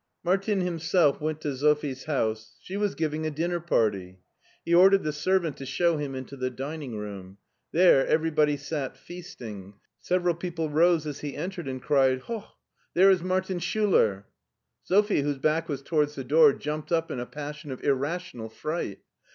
Martin himself went to Sophie's house. She was giving a dinner party. He ordered the servant to show him into the dining room. There everybody sat feast ing. Several people rose as he entered, and cried, " Hoch ! there is Martin Schiiler." Sophie, whose back was towards the door, jumped up in a passion of irrational fright.